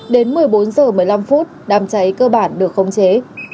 đến một mươi bốn h một mươi năm đàm cháy cơ bản được không chế